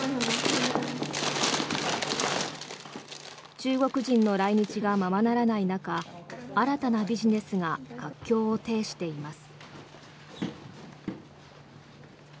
中国人の来日がままならない中新玉ビジネスが活況を呈しています。